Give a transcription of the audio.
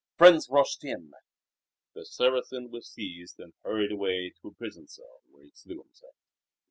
Friends rushed in. The Saracen was seized and hurried away to a prison cell, where he slew himself.